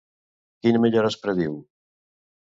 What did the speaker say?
Quina millora es prediu?